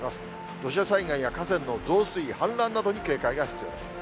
土砂災害や河川の増水、氾濫などに警戒が必要です。